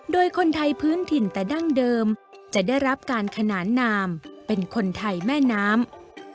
โดยคนไทยพื้นถิ่นแต่ดั้งเดิมจะได้รับการขนานนามเป็นคนไทยแม่น้ำ